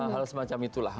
hal semacam itulah